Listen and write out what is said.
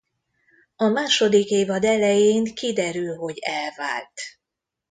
A második évad elején kiderül hogy elvált.